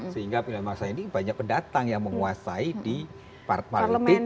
sehingga pada masa ini banyak pendatang yang menguasai di part politik